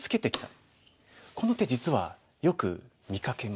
この手実はよく見かけます。